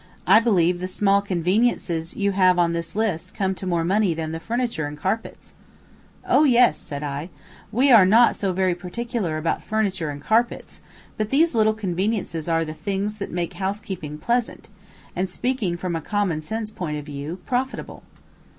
I believe the small conveniences you have on this list come to more money than the furniture and carpets." "Oh, yes," said I. "We are not so very particular about furniture and carpets, but these little conveniences are the things that make housekeeping pleasant, and, speaking from a common sense point of view, profitable."